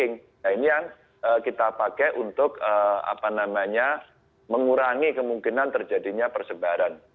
nah ini yang kita pakai untuk mengurangi kemungkinan terjadinya persebaran